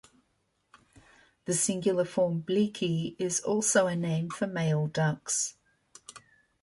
The singular form "Bliki" is also a name for male ducks.